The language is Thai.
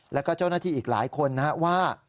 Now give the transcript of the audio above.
แล้วก็เจ้าหน้าที่อีกหลายคนนะครับว่า